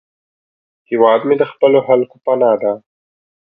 هیواد مې د خپلو خلکو پناه ده